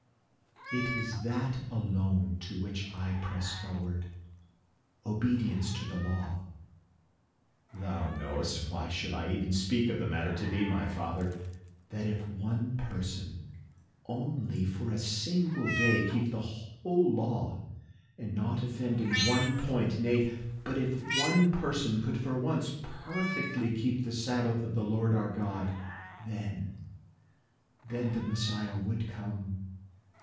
"It is that alone to which I press forward obedience to the law. Thou knowest why should I even speak of the matter to thee, my father, that if one person only can for a single day keep the whole law and not offend in one point, nay, if but one person could for once perfectly keep the Sabbath of the Lord our God, then then the Messiah would come.